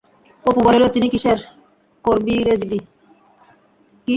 অপু বলিল, চিনি কিসের করবি রে দিদি?